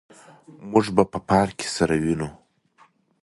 موږ به په پارک کي سره ووينو.